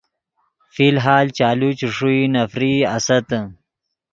فی الحال چالو چے ݰوئی نفرئی آستّے۔